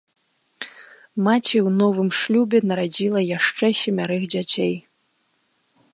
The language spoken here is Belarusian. Маці ў новым шлюбе нарадзіла яшчэ семярых дзяцей.